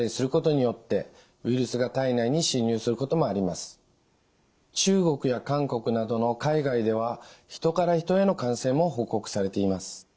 また中国や韓国などの海外では人から人への感染も報告されています。